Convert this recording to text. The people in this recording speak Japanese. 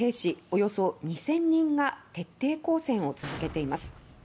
およそ２０００人が潜伏し徹底抗戦を続けています。